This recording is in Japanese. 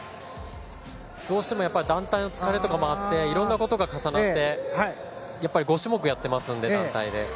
どうしても団体の疲れとかもあっていろんなことが重なって５種目やっていますので団体で。